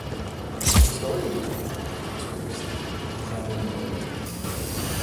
Historians regard the conspiracy theory as having no merit.